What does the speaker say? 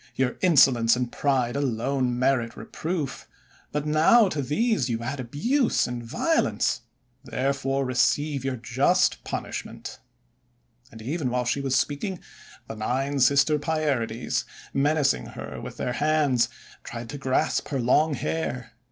Your insolence and pride alone merit reproof. But now to these you add abuse and violence. Therefore receive your just pun ishment." And even while she was speaking, the Nine Sister Pierides, menacing her with their hands, tried to grasp her long hair.